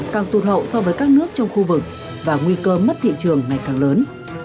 càng tụt hậu so với các nước trong khu vực và nguy cơ mất thị trường ngày càng lớn